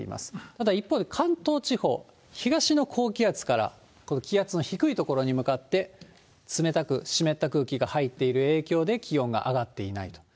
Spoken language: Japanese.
ただ一方、関東地方、東の高気圧から、この気圧の低い所に向かって、冷たく湿った空気が入っている影響で、気温が上がっていないと。